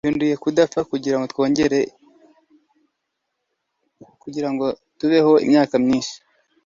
twihinduye kudapfa kugirango tubeho imyaka myinshi